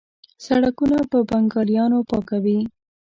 سړکونه په بنګالیانو پاکوي.